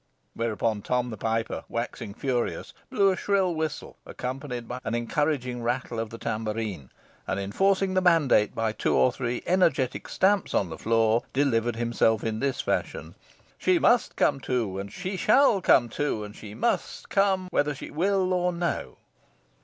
Whereupon Tom the Piper, waxing furious, blew a shrill whistle, accompanied by an encouraging rattle of the tambarine, and enforcing the mandate by two or three energetic stamps on the floor, delivered himself in this fashion: "She must come to, and she SHALL come to. And she must come, whether she will or no."